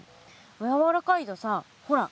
やわらかいとさほら